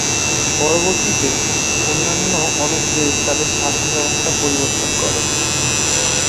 পরবর্তীতে, অন্যান্য অনেক দেশ তাদের শাসন ব্যবস্থা পরিবর্তন করে।